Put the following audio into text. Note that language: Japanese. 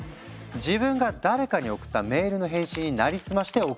自分が誰かに送ったメールの返信になりすまして送ってくるの。